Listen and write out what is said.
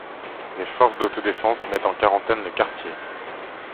Les forces d'autodéfense mettent en quarantaine le quartier.